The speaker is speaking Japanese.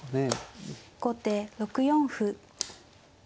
後手６四歩。